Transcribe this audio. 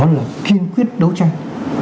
là khiên quyết đấu tranh